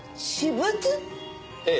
ええ。